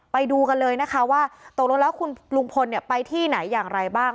ไปดูกันเลยนะคะว่าตกลงแล้วคุณลุงพลไปที่ไหนอย่างไรบ้าง